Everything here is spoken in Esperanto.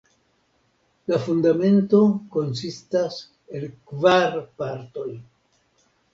La Fundamento konsistas el kvar partoj.